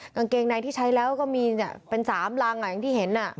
กางเกงในที่ใช้แล้วก็มีเป็น๓รังอย่างที่เห็น